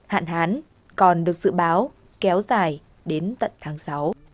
hạn hán còn được dự báo kéo dài đến tận tháng sáu